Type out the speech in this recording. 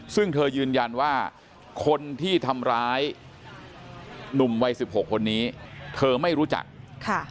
ซึ่งเธอยืนยันว่าคนที่ทำร้ายหนุ่มวัยสิบหกคนนี้เธอไม่รู้จักค่ะ